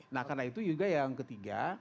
nah karena itu juga yang ketiga